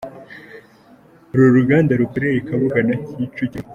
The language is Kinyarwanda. Uru ruganda rukorera i Kabuga na Kicukiro.